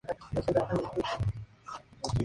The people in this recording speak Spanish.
Esta última ciudad había estado sitiada desde octubre.